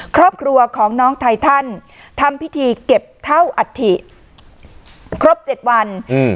ครอบครัวของน้องไททันทำพิธีเก็บเท่าอัฐิครบ๗วันอืม